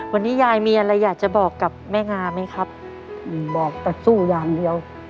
วันนี้ยายมีอะไรอยากจะบอกกับแม่งาไหมครับบอกแต่สู้อย่างเดียว